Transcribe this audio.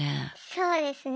そうですね。